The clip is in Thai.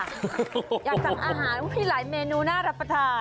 อยากสั่งอาหารหลายเมนูน่ารับประทาน